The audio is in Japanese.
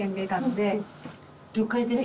了解です。